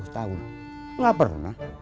dua puluh tahun gak pernah